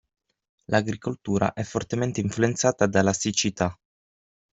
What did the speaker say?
L'agricoltura è fortemente influenzata dalla siccità.